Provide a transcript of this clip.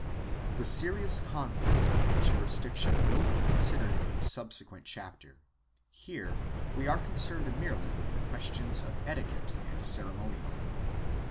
The serious conflicts over juris diction will be considered in a subsequent chapter; here we are concerned merely with questions of etiquette and ceremonial.